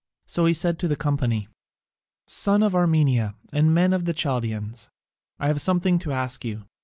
So he said to the company: "Son of Armenia, and men of the Chaldaeans, I have something to ask you.